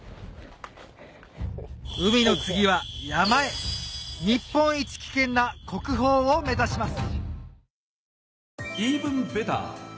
海の次は山へ日本一危険な国宝を目指します！